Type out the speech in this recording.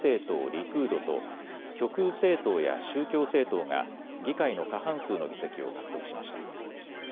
リクードと極右政党や宗教政党が議会の過半数の議席を獲得しました。